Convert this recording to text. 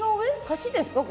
橋ですか？